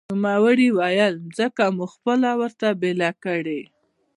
نوموړي ویلي، ځمکه مو خپله ورته بېله کړې